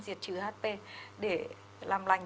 diệt trừ hp để làm lành